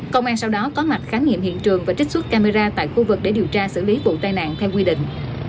công an sau đó có mặt khám nghiệm hiện trường và trích xuất camera tại khu vực để điều tra xử lý vụ tai nạn theo quy định